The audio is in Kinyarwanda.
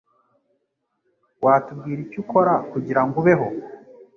Watubwira icyo ukora kugirango ubeho?